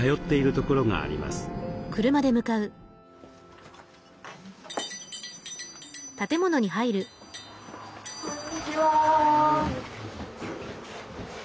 こんにちは。